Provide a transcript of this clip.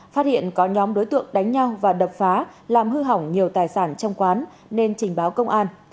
phát hiện có nhóm đối tượng đánh nhau và đập phá làm hư hỏng nhiều tài sản trong quán nên trình báo công an